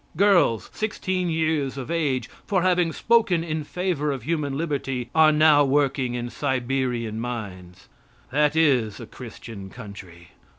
Girls sixteen years of age, for having spoken in favor of human liberty, are now working in Siberian mines. That is a Christian country.